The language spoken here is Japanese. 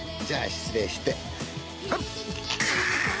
じゃあ失礼して。